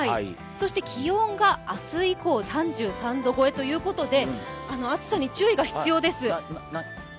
気温が明日以降３３度超えということで、暑さに注意が必要です。